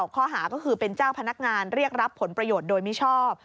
ข้อหาก็คือเป็นเจ้าพนักงานเรียกรับผลประโยชน์โดยมิชอบ